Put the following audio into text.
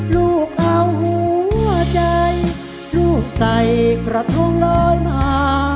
ลูกเอาหัวใจลูกใส่กระทงลอยมา